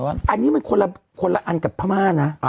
อันนี้มันคนละอันกับพม่านะ